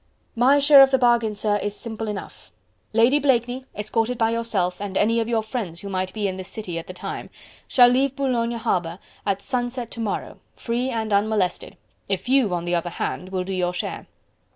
"My share of the bargain, sir, is simple enough: Lady Blakeney, escorted by yourself and any of your friends who might be in this city at the time, shall leave Boulogne harbour at sunset to morrow, free and unmolested, if you on the other hand will do your share..."